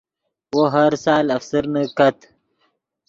وو ہر سال افسرنے کت